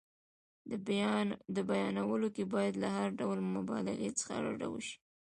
په بیانولو کې باید له هر ډول مبالغې څخه ډډه وشي.